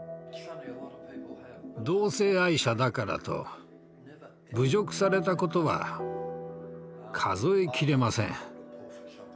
同性愛者だからと侮辱されたことは数えきれません。